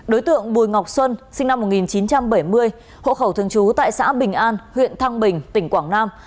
đối tượng bùi ngọc xuân sinh năm một nghìn chín trăm bảy mươi hộ khẩu thường trú tại xã bình an huyện thăng bình tỉnh quảng nam